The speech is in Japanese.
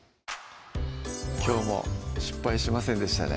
きょうも失敗しませんでしたね